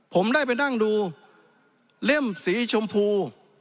ผมได้ไปนั่งดูเล่มสีชมพู